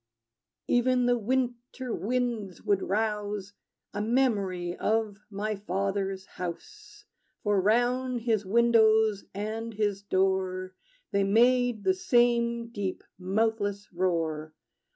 Even the winter winds would rouse A memory of my father's house; For round his windows and his door They made the same deep, mouthless roar.